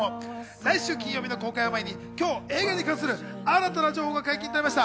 来週金曜日の公開を前に今日、映画に関する新たな情報が解禁となりました。